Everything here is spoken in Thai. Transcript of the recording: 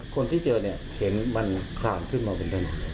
คนที่เจอเห็นมันขาดขึ้นมาบนถนนเลย